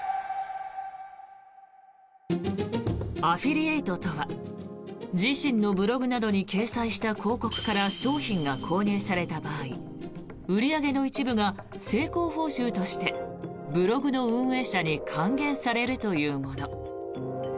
アフィリエイトとは自身のブログなどに掲載した広告から商品が購入された場合売り上げの一部が成功報酬としてブログの運営者に還元されるというもの。